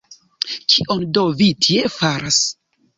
Kion do vi tie faras?